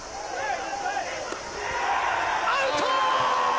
アウト！